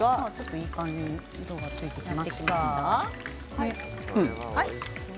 いい感じに色がついてきました。